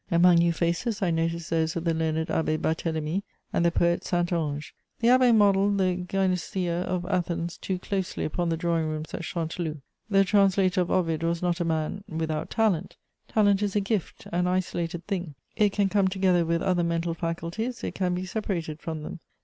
Among new faces I noticed those of the learned Abbé Barthélemy and the poet Saint Ange. The abbé modelled the gynecœa of Athens too closely upon the drawing rooms at Chanteloup. The translator of Ovid was not a man without talent; talent is a gift, an isolated thing: it can come together with other mental faculties, it can be separated from them.